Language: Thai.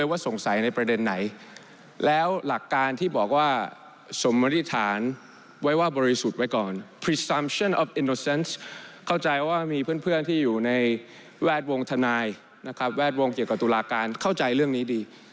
แวดวงธนายเกี่ยวกับธุรการเข้าใจเรื่องนี้ดี